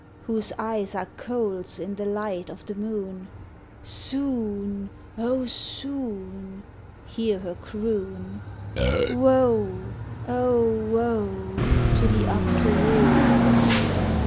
Whose eyes are coals in the light o' the moon "Soon, oh, soon," hear her croon, "_Woe, oh, woe to the octoroon!